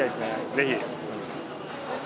ぜひ。